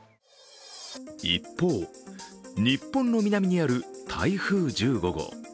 一方、日本の南にある台風１５号。